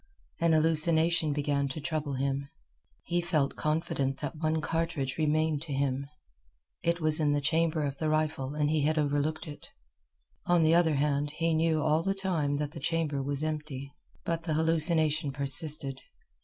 An hallucination began to trouble him. He felt confident that one cartridge remained to him. It was in the chamber of the rifle and he had overlooked it. On the other hand, he knew all the time that the chamber was empty. But the hallucination persisted.